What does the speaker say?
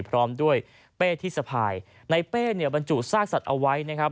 พร้อมด้วยเป้ที่สะพายในเป้เนี่ยบรรจุซากสัตว์เอาไว้นะครับ